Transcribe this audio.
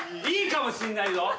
いいかもしんないぞ。